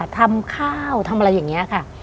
ทำข้าวทำอะไรอย่างนี้ค่ะ